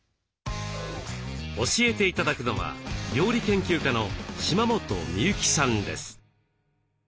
教えて頂くのは料理研究家の島本美由紀さんです。